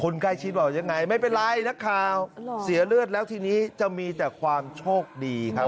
ใกล้ชิดบอกยังไงไม่เป็นไรนักข่าวเสียเลือดแล้วทีนี้จะมีแต่ความโชคดีครับ